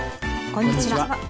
こんにちは。